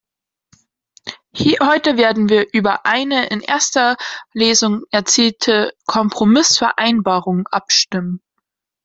Heute werden wir über eine in erster Lesung erzielte Kompromissvereinbarung abstimmen.